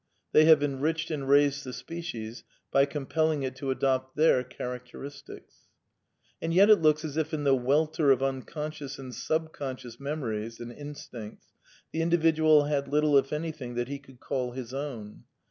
They have enriched and raised the species by compelling it to i adopt their characteristics. And yet it looks as if in the welter of unconscious and subconscious memories and instincts the individual had little, if anything, that he could call his own.